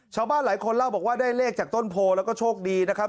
ชาวบ้านหลายคนเล่าบอกว่าได้เลขจากต้นโพแล้วก็โชคดีนะครับ